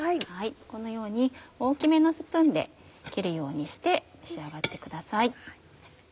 このように大きめのスプーンで切るようにして召し上がってください。